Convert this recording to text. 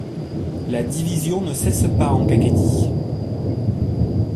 La division ne cesse pas en Kakhétie.